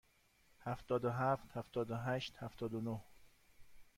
هفتاد و هفت، هفتاد و هشت، هفتاد و نه.